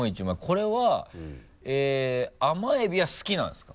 これは甘エビは好きなんですか？